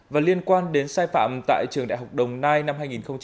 và liên quan đến sai phạm tại trường đại học đồng nai năm hai nghìn hai mươi